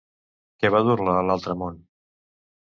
Què va dur-la a l'altre món?